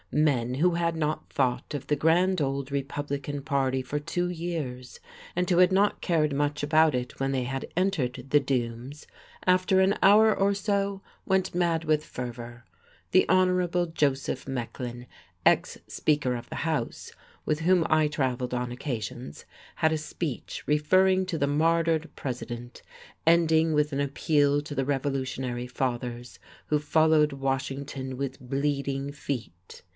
Men who had not thought of the grand old Republican party for two years, and who had not cared much about it when they had entered the dooms, after an hour or so went mad with fervour. The Hon. Joseph Mecklin, ex Speaker of the House, with whom I traveled on occasions, had a speech referring to the martyred President, ending with an appeal to the revolutionary fathers who followed Washington with bleeding feet.